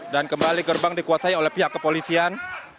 dan kembali gerbang dikuasai oleh pihak kepolisian